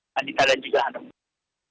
dan dikaren juga anak